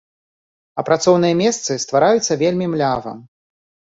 А працоўныя месцы ствараюцца вельмі млява.